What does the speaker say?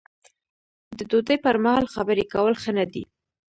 د ډوډۍ پر مهال خبرې کول ښه نه دي.